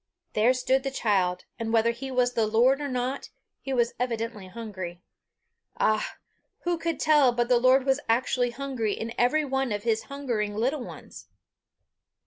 There stood the child, and whether he was the Lord or not, he was evidently hungry. Ah! who could tell but the Lord was actually hungry in every one of his hungering little ones!